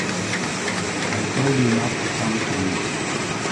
I told you not to come to me!